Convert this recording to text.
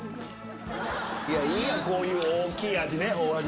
いいやんこういう大きい味ね。